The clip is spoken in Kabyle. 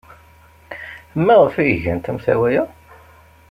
Maɣef ay gant amtawa-a?